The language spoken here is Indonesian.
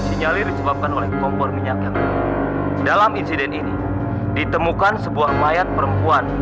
dinyalir disebabkan oleh kompor minyak yang dalam insiden ini ditemukan sebuah mayat perempuan